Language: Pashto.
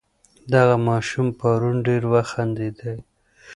دغه ماشوم پرون ډېر وخندېدی.